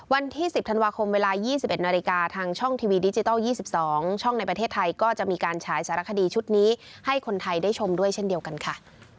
วันที่๑๐ธันวาคมเวลา๒๑นาฬิกาทางช่องทีวีดิจิทัล๒๒ช่องในประเทศไทยก็จะมีการฉายสารคดีชุดนี้ให้คนไทยได้ชมด้วยเช่นเดียวกันค่ะ